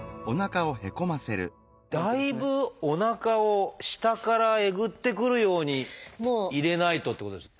だいぶおなかを下からえぐってくるように入れないとっていうことですね。